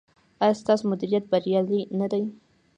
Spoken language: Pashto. ایا ستاسو مدیریت بریالی نه دی؟